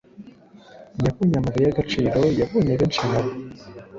Yabonye amabuye yagaciro yabonye benshi nkabo